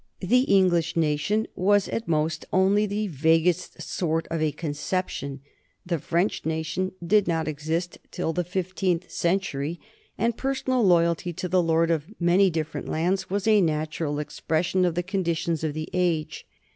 The English nation was at most only the vaguest sort of a conception, the French nation did not exist till the fifteenth century, and personal loyalty to the lord of many different lands was a natural expression of the conditions of the age.